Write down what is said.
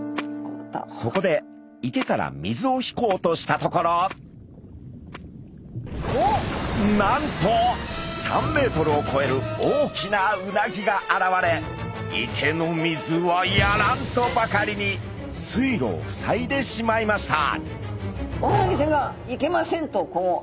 そこで池から水を引こうとしたところなんと３メートルをこえる大きなうなぎが現れ「池の水はやらん！」とばかりに水路をふさいでしまいました。